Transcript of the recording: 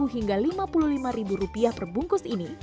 enam hingga lima puluh lima rupiah perbungkus ini